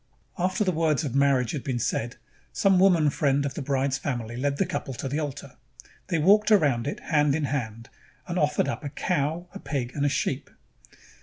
After the words of marriage had been said, some woman friend of the bride's family led the couple to the altar. They walked around it hand in hand and offered up a cow, a pig, and a sheep.